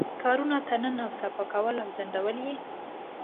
کارونو ته نن او سبا کول او ځنډول یې.